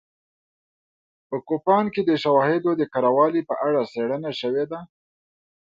په کوپان کې د شواهدو د کره والي په اړه څېړنه شوې ده